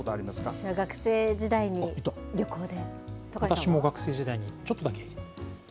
小学生時代に旅行で。